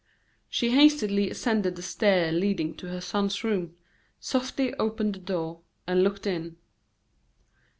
She hastily ascended the stairs leading to her son's room, softly opened the door, and looked in.